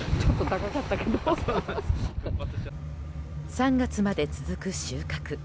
３月まで続く収穫。